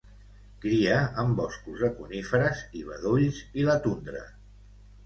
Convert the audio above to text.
Cria en boscos de coníferes i bedolls i la tundra.